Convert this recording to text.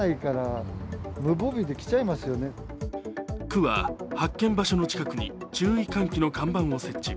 区は発見場所の近くに注意喚起の看板を設置。